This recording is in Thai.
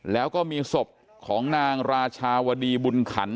แล้วก็มีศพของนางราชาวดีบุญขัน